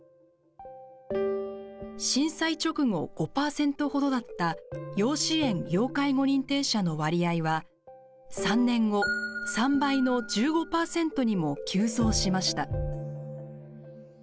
震災直後、５％ほどだった要支援・要介護認定者の割合は３年後３倍の１５％にも急増しました。